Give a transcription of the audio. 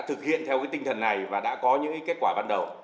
thực hiện theo tinh thần này và đã có những kết quả ban đầu